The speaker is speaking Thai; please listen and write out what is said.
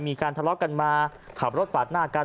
มีการทะเลาะกันมาขับรถปาดหน้ากัน